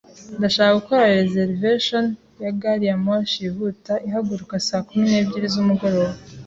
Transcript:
Ndashaka gukora reservation ya gari ya moshi yihuta ihaguruka saa kumi n'ebyiri z'umugoroba